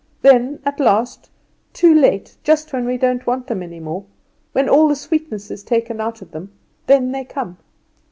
Then at last, too late, just when we don't want them any more, when all the sweetness is taken out of them, then they come.